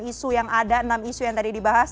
isu yang ada enam isu yang tadi dibahas